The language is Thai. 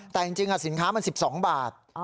แต่จริงสินค้ามัน๑๒บาท